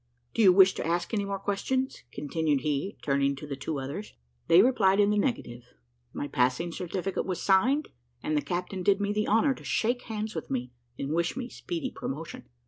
Do you wish to ask any more questions?" continued he, turning to the two others. They replied in the negative; my passing certificate was signed, and the captain did me the honour to shake hands with me, and wish me speedy promotion.